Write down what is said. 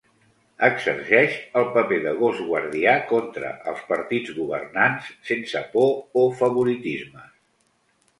Exerceix el paper de gos guardià contra els partits governants sense por o favoritismes.